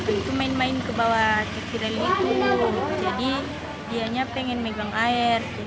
itu main main ke bawah ciki religi jadi dianya pengen megang air